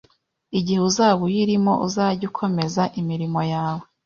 igihe uzaba uyirimo uzage ukomeza imirimo yawe